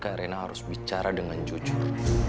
karena harus bicara dengan jujur